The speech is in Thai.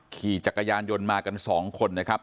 ขี่จักรยานยนต์มากัน๒คนนะครับ